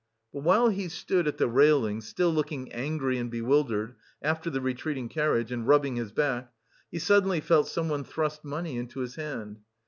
But while he stood at the railing, still looking angry and bewildered after the retreating carriage, and rubbing his back, he suddenly felt someone thrust money into his hand.